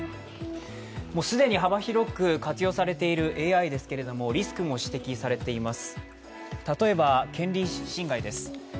もう既に幅広く活用されているＡＩですけれどもリスクも指摘されています。